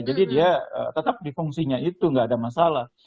jadi dia tetap di fungsinya itu gak ada masalah